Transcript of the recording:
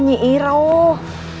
ini si iroh